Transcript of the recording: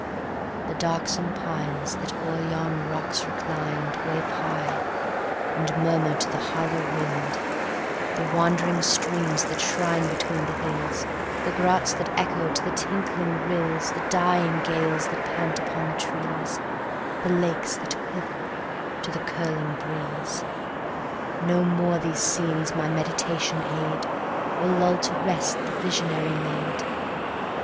The darksome pines that, o'er yon rocks reclined, Wave high, and murmur to the hollow wind, The wandering streams that shine between the hills, The grots that echo to the tinkling rills, The dying gales that pant upon the trees, The lakes that quiver to the curling breeze; 160 No more these scenes my meditation aid, Or lull to rest the visionary maid.